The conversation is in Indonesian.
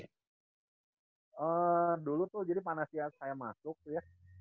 eee dulu tuh jadi panasya saya masuk tuh ya